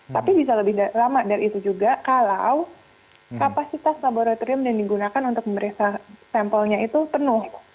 tapi bisa lebih lama dari itu juga kalau kapasitas laboratorium yang digunakan untuk memeriksa sampelnya itu penuh